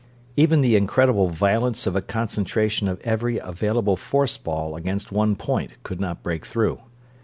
Even the incredible violence of a concentration of every available force ball against one point could not break through.